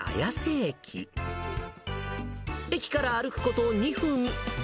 駅から歩くこと２分。